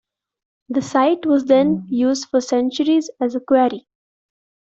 The site was then used for centuries as a quarry.